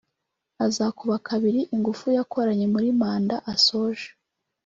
azakuba kabiri ingufu yakoranye muri manda asoje